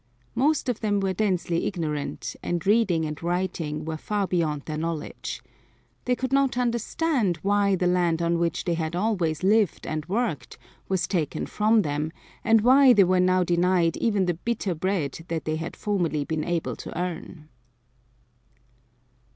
Most of them were densely ignorant, and reading and writing were far beyond their knowledge. They could not understand why the land on which they had always lived and worked was taken from them, and why they were now denied even the bitter bread that they had formerly been able to earn.